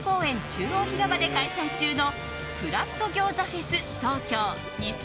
中央広場で開催中のクラフト餃子フェス